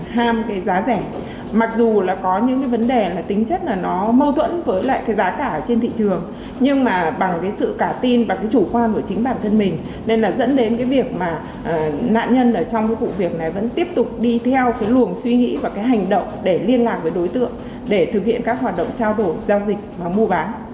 ham cái giá rẻ mặc dù là có những cái vấn đề là tính chất là nó mâu thuẫn với lại cái giá cả trên thị trường nhưng mà bằng cái sự cả tin và cái chủ quan của chính bản thân mình nên là dẫn đến cái việc mà nạn nhân ở trong cái vụ việc này vẫn tiếp tục đi theo cái luồng suy nghĩ và cái hành động để liên lạc với đối tượng để thực hiện các hoạt động trao đổi giao dịch và mua bán